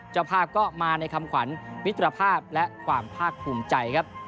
เจ้าภาพก็มาในคำขวัญมิตรภาพและความภาคภูมิใจครับ